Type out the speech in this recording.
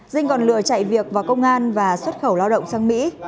dinh còn lừa chạy việc vào công an và xuất khẩu lao động sang mỹ